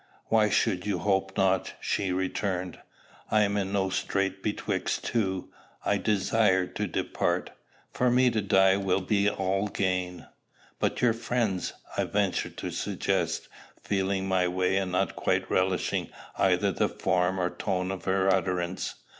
"Why should you hope not?" she returned. "I am in no strait betwixt two. I desire to depart. For me to die will be all gain." "But your friends?" I ventured to suggest, feeling my way, and not quite relishing either the form or tone of her utterance.